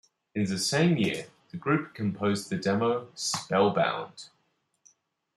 In the same year, the group composed the demo "Spellbound".